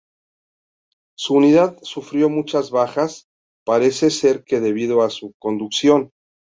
Su unidad sufrió muchas bajas, parece ser que debido a su conducción.